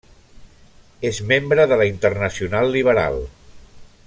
És membre de la Internacional Liberal.